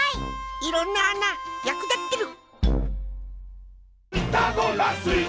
いろんなあなやくだってる！